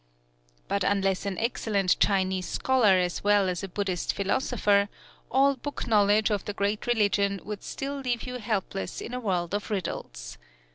But unless an excellent Chinese scholar as well as a Buddhist philosopher, all book knowledge of the great religion would still leave you helpless in a world of riddles.